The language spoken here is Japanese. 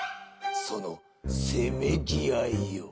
そのせめぎ合いよ。